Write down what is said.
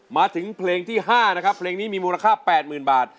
มาถึงเพลงที่ห้านะครับเพลงนี้มีมูลค่าแปดหมื่นบาท